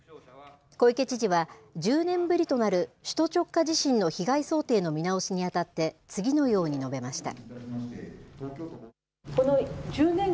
小池知事は、１０年ぶりとなる首都直下地震の被害想定の見直しにあたって、次のように述べました。